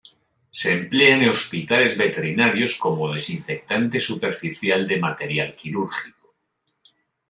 Se emplea en hospitales veterinarios como desinfectante superficial de material quirúrgico.